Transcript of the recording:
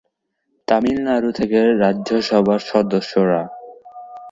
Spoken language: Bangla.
তামিলনাড়ু থেকে রাজ্যসভার সদস্যরা